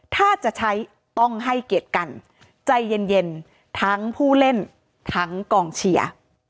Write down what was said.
ถ้าจะใช้ต้องให้เกียรติกันใจเย็นทั้งผู้เล่นทั้งกองเชียร์